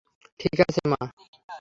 ঠিক আছে, মা।